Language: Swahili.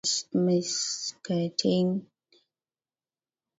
Meskhetian walikwenda Amerika chini ya mpango mkubwa